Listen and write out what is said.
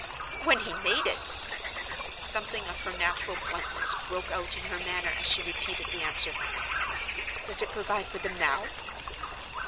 "When he made it!" (Something of her natural bluntness broke out in her manner as she repeated the answer.) "Does it provide for them now?"